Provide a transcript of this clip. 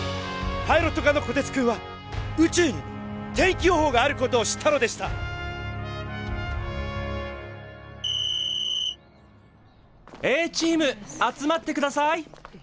パイロット科のこてつくんは宇宙にも天気予報があることを知ったのでしたＡチーム集まってください！